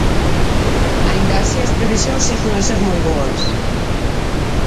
Aínda así, as previsións seguen a ser moi boas.